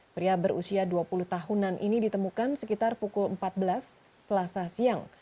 pria berusia dua puluh tahunan ini ditemukan sekitar pukul empat belas selasa siang